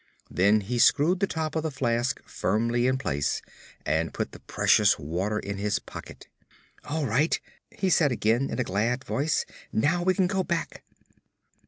Then he screwed the top of the flask firmly in place and put the precious water in his pocket. "All right!" he said again, in a glad voice; "now we can go back."